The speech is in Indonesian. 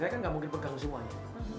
saya kan gak mungkin pegang semuanya